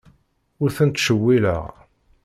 Ur tent-ttcewwileɣ.